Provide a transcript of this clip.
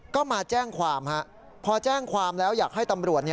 ก็มาแจ้งความพอแจ้งความแล้วอยากให้ตำรวจ